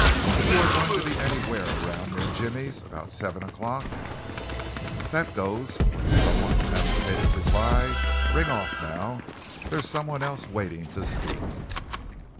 If you are going to be anywhere around near Jimmy's, about seven o'clock " "That goes," was the somewhat agitated reply. "Ring off now. There's some one else waiting to speak."